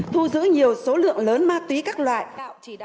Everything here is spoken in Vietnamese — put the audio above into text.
thu giữ nhiều số lượng lớn ma túy các loại